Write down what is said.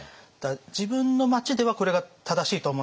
自分の町ではこれが正しいと思うんだけど